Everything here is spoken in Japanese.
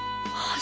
あ！